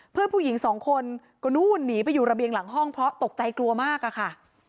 เพื่อนผู้หญิงสองคนก็นู่นหนีไปอยู่ระเบียงหลังห้องเพราะตกใจกลัวมากอะค่ะ